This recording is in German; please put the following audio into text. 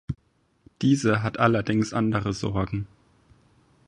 Diese hat allerdings andere Sorgen.